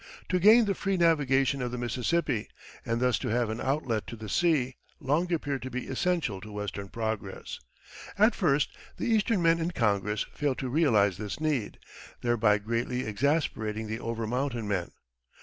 To gain the free navigation of the Mississippi, and thus to have an outlet to the sea, long appeared to be essential to Western progress. At first the Eastern men in Congress failed to realize this need, thereby greatly exasperating the over mountain men.